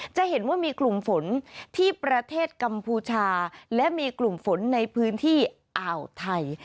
จะเห็นว่ามีกลุ่มฝนที่ประเทศกัมพูชาและมีกลุ่มฝนในพื้นที่อ่าวไทย